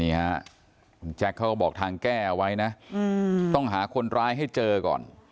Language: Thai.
คุณแจ๊คเขาก็บอกทางแก้เอาไว้นะต้องหาคนร้ายให้เจอก่อน